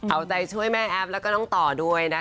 เอาใจช่วยแม่แอฟแล้วก็น้องต่อด้วยนะคะ